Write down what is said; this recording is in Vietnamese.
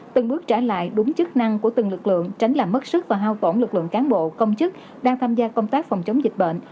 từng bước trả lại đúng chức năng của từng lực lượng tránh làm mất sức và hao tổn lực lượng cán bộ công chức đang tham gia công tác phòng chống dịch bệnh